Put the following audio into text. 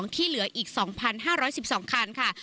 ที่เหลืออีก๒๕๑๒คันค่ะ